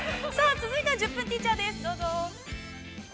続いては「１０分ティーチャー」です、どうぞ。